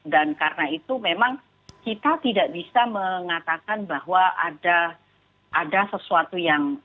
dan karena itu memang kita tidak bisa mengatakan bahwa ada sesuatu yang aneh di situ